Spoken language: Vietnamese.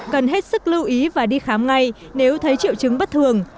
cần hết sức lưu ý và đi khám ngay nếu thấy triệu chứng bất thường